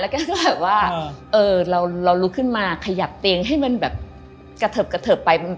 แล้วก็แบบว่าเราลุกขึ้นมาขยับเตียงให้มันแบบกระเทิบกระเทิบไป